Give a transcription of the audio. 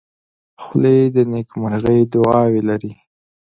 خولۍ د نیکمرغۍ دعاوې لري.